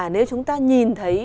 nếu chúng ta nhìn thấy